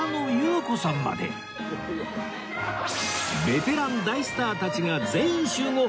ベテラン大スターたちが全員集合！